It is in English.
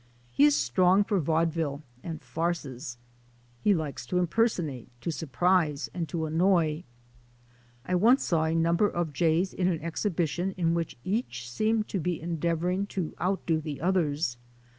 He is strong for vaudeville and farces; he likes to impersonate, to surprise, and to annoy. I once saw a number of jays in an exhibi tion in which each seemed to be endeavouring to outdo the others.